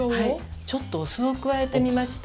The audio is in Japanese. ちょっとお酢を加えてみました。